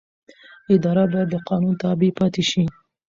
اداره باید د قانون تابع پاتې شي.